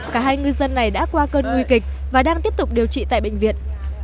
cả hai ngư dân này đã qua cơn nguy kịch và đang tiếp tục điều trị tại bệnh viện